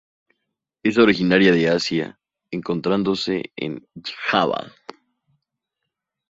Es originaria de Asia encontrándose en Java.